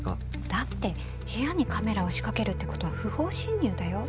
だって部屋にカメラを仕掛けるってことは不法侵入だよ。